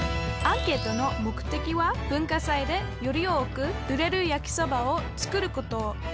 アンケートの目的は文化祭でより多く売れる焼きそばを作ること。